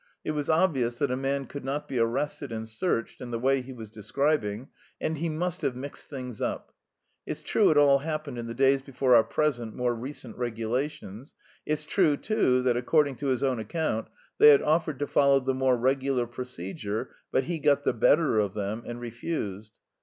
It was obvious that a man could not be arrested and searched in the way he was describing, and he must have mixed things up. It's true it all happened in the days before our present, more recent regulations. It is true, too, that according to his own account they had offered to follow the more regular procedure, but he "got the better of them" and refused....